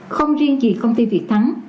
không riêng gì công ty việt thắng